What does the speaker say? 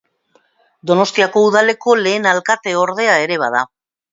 Donostiako udaleko lehen alkate-ordea ere bada.